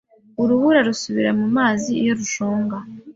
Urubura rusubira mumazi iyo rushonga.